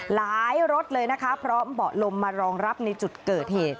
รถเลยนะคะพร้อมเบาะลมมารองรับในจุดเกิดเหตุ